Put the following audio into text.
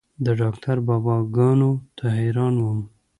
د ډاکتر بابا ګانو ته حيران وم.